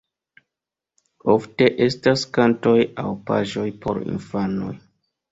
Ofte estas kantoj aŭ paĝoj por infanoj.